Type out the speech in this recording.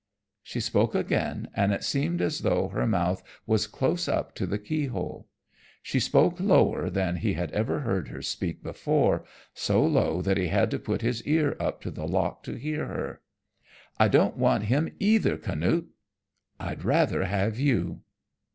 She spoke again and it seemed as though her mouth was close up to the key hole. She spoke lower than he had ever heard her speak before, so low that he had to put his ear up to the lock to hear her. "I don't want him either, Canute, I'd rather have you."